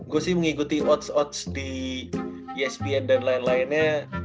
gua sih mengikuti odds odds di espn dan lain lainnya